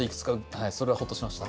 はいそれはホッとしました。